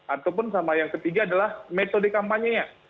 ataupun sama yang ketiga adalah metode kampanye nya